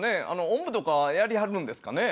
おんぶとかはやりはるんですかね？